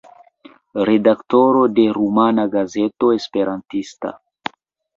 Redaktoro de Rumana Gazeto Esperantista.